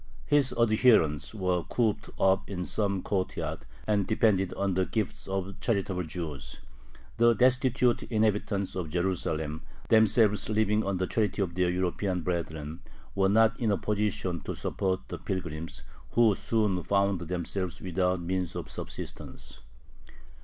His adherents were cooped up in some courtyard, and depended on the gifts of charitable Jews. The destitute inhabitants of Jerusalem, themselves living on the charity of their European brethren, were not in a position to support the pilgrims, who soon found themselves without means of subsistence.